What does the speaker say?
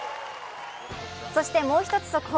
そしてもう一つ速報。